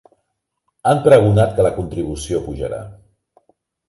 Han pregonat que la contribució pujarà.